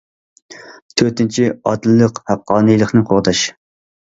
تۆتىنچى، ئادىللىق، ھەققانىيلىقنى قوغداش.